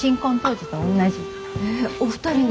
えっお二人の？